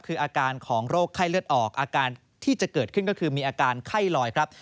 คืออาการของโรคไข้เลือดออกอาการที่จะเกิดขึ้นก็คือมีอาการไข้ลอยครับ